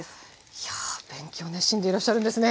いや勉強熱心でいらっしゃるんですね。